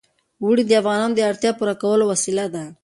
اوړي د افغانانو د اړتیاوو د پوره کولو وسیله ده.